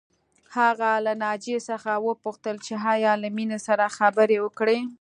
هغه له ناجیې څخه وپوښتل چې ایا له مينې سره خبرې وکړې